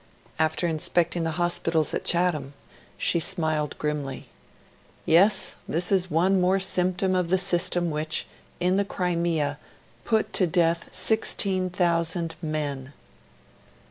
After inspecting the hospitals at Chatham, she smiled grimly. 'Yes, this is one more symptom of the system which, in the Crimea, put to death 16,000 men.'